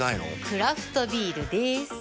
クラフトビールでーす。